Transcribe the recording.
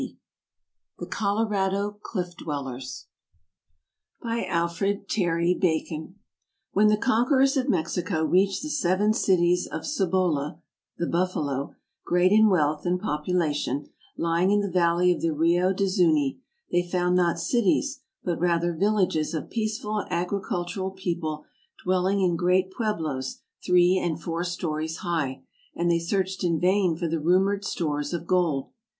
AMERICA The Colorado Cliff dwellers By ALFRED TERRY BACON WHEN the conquerors of Mexico reached the Seven Cities of Cibola (the buffalo), great in wealth and population, lying in the valley of the Rio de Zuni, they found not cities, but rather villages of peaceful agricultural people dwelling in great pueblos three and four stories high, and they searched in vain for the rumored stores of gold.